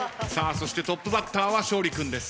そしてトップバッターは勝利君です。